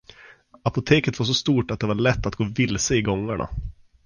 Apoteket var så stort att det var lätt att gå vilse i gångarna.